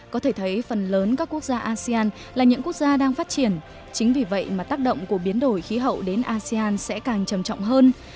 có thể thấy phần lớn các quốc gia asean là những quốc gia đang phát triển chính vì vậy mà tác động của biến đổi khí hậu đến asean sẽ càng trầm trọng hơn